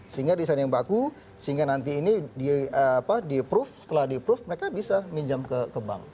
sehingga desain yang baku sehingga nanti ini di approve setelah di approve mereka bisa minjam ke bank